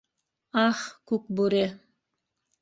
Ах, Күкбүре...